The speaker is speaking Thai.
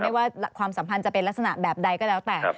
ว่าความสัมพันธ์จะเป็นลักษณะแบบใดก็แล้วแต่